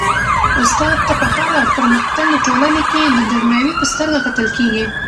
استاد ته په هره پرمختللي ټولنه کي د درناوي په سترګه کتل کيږي.